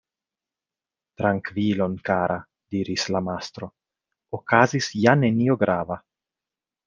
"Trankvilon, kara!" diris la mastro "okazis ja nenio grava".